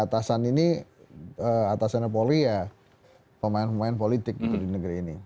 atasan ini atasannya polri ya pemain pemain politik di negeri ini